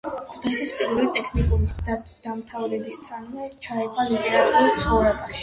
ქუთაისის პირველი ტექნიკუმის დამთავრებისთანავე ჩაება ლიტერატურულ ცხოვრებაში.